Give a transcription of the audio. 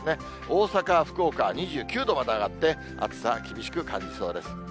大阪、福岡２９度まで上がって、暑さ厳しく感じそうです。